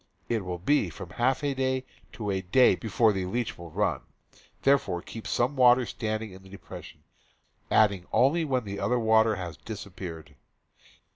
It will be from half a day to a day before the leach will run. Thereafter keep some water standing in the depression, adding only when the other water has dis appeared.